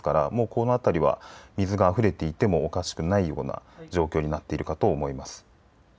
このあたりは水があふれていてもおかしくないような状況になっているかと思います。